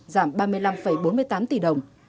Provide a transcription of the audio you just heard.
giảm ba mươi năm bốn mươi tám tỷ đồng